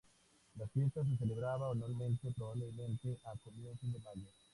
La fiesta se celebraba anualmente, probablemente a comienzos de mayo.